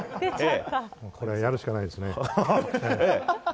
これ、やるしかないですね。